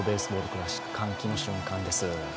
クラシック、歓喜の瞬間です。